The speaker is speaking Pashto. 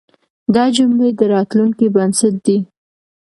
دا جملې د راتلونکي بنسټ دی.